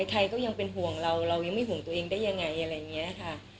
ใครก็ยังเป็นห่วงเราเรายังไม่ห่วงตัวเองได้ยังไงอะไรอย่างนี้ค่ะ